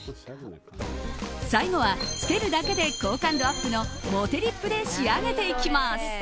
最後はつけるだけで好感度アップのモテリップで仕上げていきます。